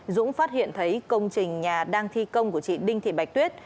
dũng phát hiện thấy công trình nhà đang thi công của chị đinh thị bạch tuyết